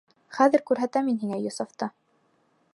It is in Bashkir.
Хәҙер күрһәтәм мин һиңә Йософто...